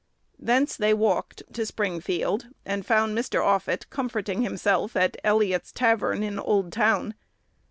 Thence they walked to Springfield, and found Mr. Offutt comforting himself at "Elliott's tavern in Old Town."